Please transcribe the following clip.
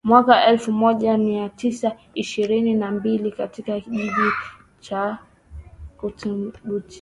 mwaka elfu moja mia tisa ishirini na mbili katika kijiji cha Butiama